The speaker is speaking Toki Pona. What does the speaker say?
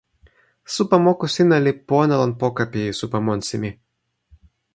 supa moku sina li pona lon poka pi supa monsi mi.